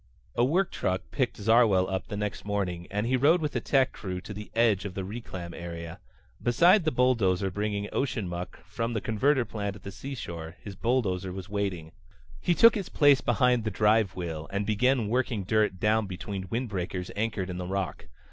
A work truck picked Zarwell up the next morning and he rode with a tech crew to the edge of the reclam area. Beside the belt bringing ocean muck from the converter plant at the seashore his bulldozer was waiting. He took his place behind the drive wheel and began working dirt down between windbreakers anchored in the rock.